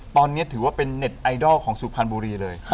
ตอนนี้ถือว่าเป็นเน็ตไอดอลของสุพรรณบุรีเลย